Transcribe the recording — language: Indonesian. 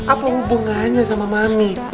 apa hubungannya sama mami